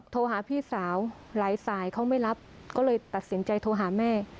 โทรหาพี่สาวหลายสายเขาไม่รับก็เลยตัดสินใจโทรหาแม่